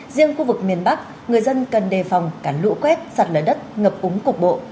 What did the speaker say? riêng khu vực miền bắc người dân cần đề phòng cả lũ quét sạt lở đất ngập úng cục bộ